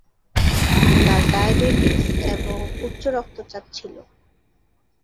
তার ডায়াবেটিস এবং উচ্চ রক্তচাপ ছিল।